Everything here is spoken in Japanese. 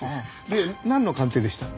でなんの鑑定でした？